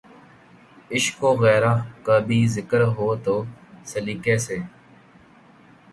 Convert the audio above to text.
عشق وغیرہ کا بھی ذکر ہو تو سلیقے سے۔